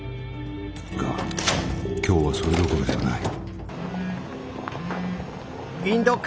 が今日はそれどころではない。